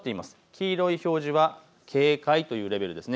黄色い表示は警戒というレベルです。